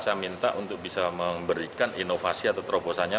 saya minta untuk bisa memberikan inovasi atau terobosannya